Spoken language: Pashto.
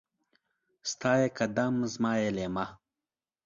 ستا يې قدم ، زما يې ليمه.